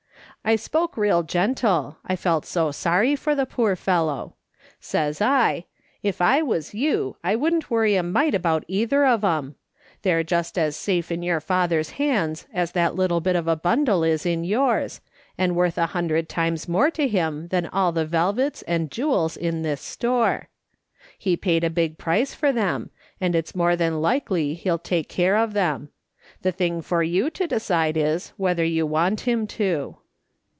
I spoke real gentle, I felt so sorry for the poor fellow. Says I : 'If I was you, I wouldn't worry a mite about either of 'em. They're just as safe in your Father's hands as that little bit of a bundle is in yours, and worth a hundred times more to him than all the velvets and jewels in this store. He paid a big price for tham, and it's more than likely he'll take care of them. The thing for you to decide is, whether you want him to.'